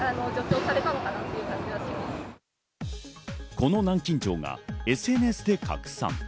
この南京錠がＳＮＳで拡散。